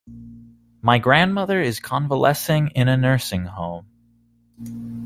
My grandmother is convalescing in a nursing home.